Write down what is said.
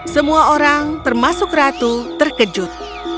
semua orang termasuk ratu terkejut